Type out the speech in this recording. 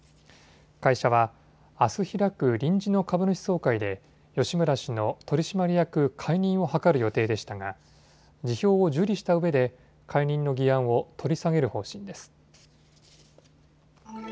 会社はあす開く臨時の株主総会で吉村氏の取締役解任を諮る予定でしたが辞表を受理したうえで解任の議案を取り下げる方針です。